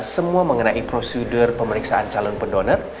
semua mengenai prosedur pemeriksaan calon pendonor